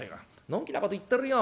のんきなこと言ってるよ。